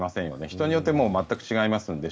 人によって全く違いますので。